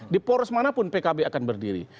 di poros manapun pkb akan berdiri